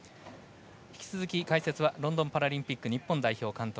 引き続き解説はロンドンパラリンピック日本代表監督